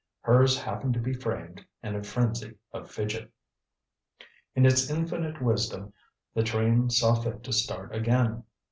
Hers happened to be framed in a frenzy of fidget. In its infinite wisdom, the train saw fit to start again.